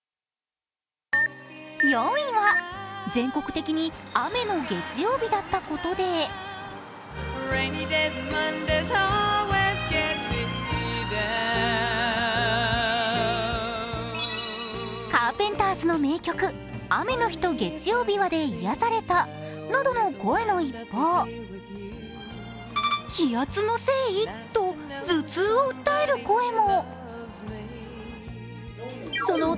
４位は、全国的に雨の月曜日だったことでカーペンターズの名曲、「雨の日と月曜日は」で癒やされたなどの声の一方、気圧のせい？と頭痛を訴える声も。